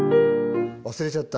忘れちゃった。